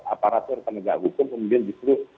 aparatur penegak hukum kemudian justru